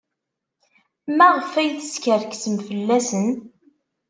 Maɣef ay teskerksem fell-asen?